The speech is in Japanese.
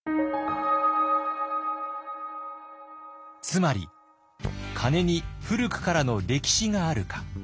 つまり鐘に古くからの歴史があるか。